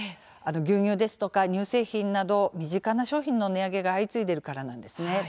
牛乳ですとか乳製品など身近な商品の値上げが相次いでいるからなんです。